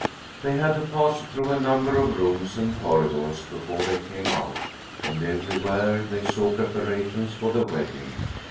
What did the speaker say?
They had to pass through a number of rooms and corridors before they came out, and everywhere they saw preparations for the wedding.